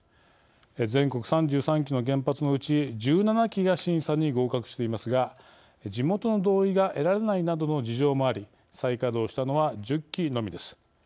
全国３３基の原発のうち１７基が審査に合格していますが地元の同意が得られないなどの事情もあり再稼働したのは１０基のみです。